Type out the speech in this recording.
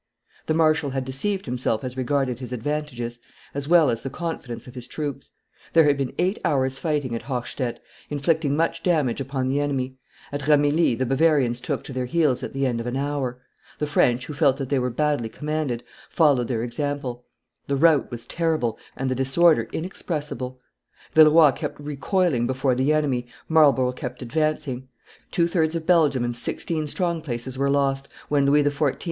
The marshal had deceived himself as regarded his advantages, as well as the confidence of his troops; there had been eight hours' fighting at Hochstett, inflicting much damage upon the enemy; at Ramillies, the Bavarians took to their heels at the end of an hour; the French, who felt that they were badly commanded, followed their example; the rout was terrible, and the disorder inexpressible. Villeroi kept recoiling before the enemy, Marlborough kept advancing; two thirds of Belgium and sixteen strong places were lost, when Louis XIV.